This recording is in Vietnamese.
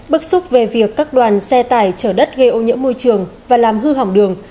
bức xúc về việc các đoàn xe tải chở đất gây ô nhiễm môi trường và làm hư hỏng đường